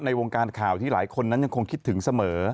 วงการข่าวที่หลายคนนั้นยังคงคิดถึงเสมอ